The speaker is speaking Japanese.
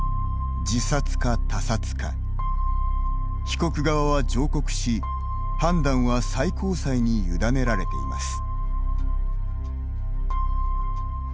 被告側は上告し、判断は最高裁に委ねられています。